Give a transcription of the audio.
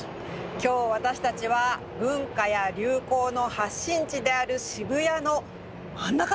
今日私たちは文化や流行の発信地である渋谷の真ん中にいます。